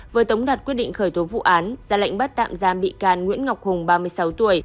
vừa tống đặt quyết định khởi tố vụ án ra lệnh bắt tạm giam bị can nguyễn ngọc hùng ba mươi sáu tuổi